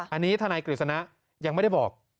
อันนี้ทนายกฤษณะยังไม่ได้บอก